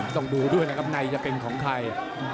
ต้องดูด้วยนะครับในจะเป็นของใคร